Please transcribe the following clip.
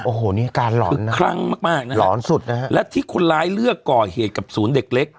โอ้โหนี่อาการหลอนคือคลั่งมากมากนะฮะหลอนสุดนะฮะและที่คนร้ายเลือกก่อเหตุกับศูนย์เด็กเล็ก